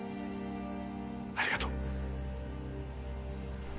ありがとう。